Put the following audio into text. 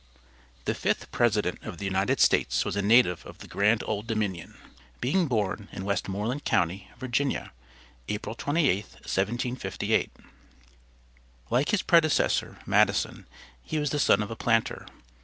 The fifth president of the United States was a native of the grand Old Dominion, being born in Westmoreland county, Virginia, April 28, 1758. Like his predecessor, Madison, he was the son of a planter.